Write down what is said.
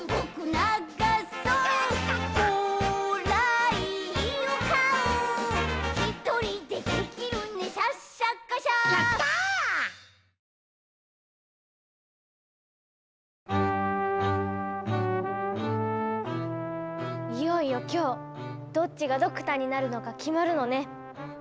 いよいよ今日どっちがドクターになるのか決まるのね。